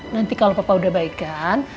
nanti kalau papa udah baik kan